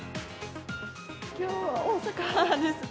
きょうは大阪です。